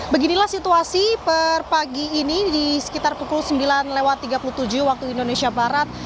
beginilah situasi per pagi ini di sekitar pukul sembilan tiga puluh tujuh waktu indonesia barat